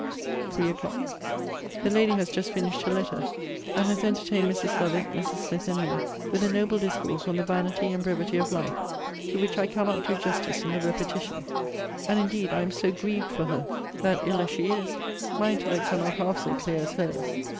THREE O'CLOCK. The lady has just finished her letter, and has entertained Mrs. Lovick, Mrs. Smith, and me, with a noble discourse on the vanity and brevity of life, to which I cannot do justice in the repetition: and indeed I am so grieved for her, that, ill as she is, my intellects are not half so clear as her's.